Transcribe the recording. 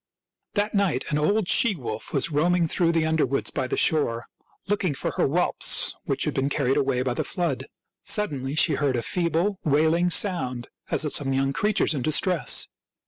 That night an old she wolf was roaming through the underwoods by the shore, looking for her whelps, which had been carried away by the flood. Suddenly she heard a feeble, wailing sound, as of some young creature in distress.